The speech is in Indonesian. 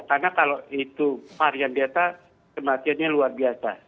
karena kalau itu varian delta kematiannya luar biasa